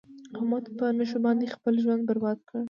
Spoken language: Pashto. احمد په نشو باندې خپل ژوند برباد کړ.